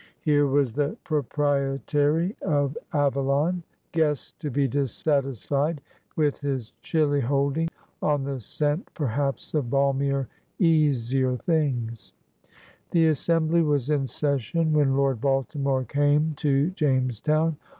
Here was the 118 PIONEERS OP THE OLD SOUTH Proprietary of Avalon, guessed to be dissatisfied with his chilly holding, on the scent perhaps of balmier, easier things! The Assembly was in session when Lord Balti more came to Jamestown.